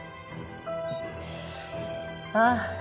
ああ。